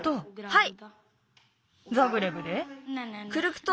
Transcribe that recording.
はい。